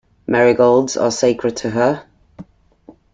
Marigolds are sacred to her.